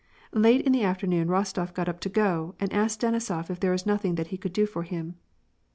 Late in the afternoon, Rostof got up to go, and asked Deni sof if there was nothing that he could do for him.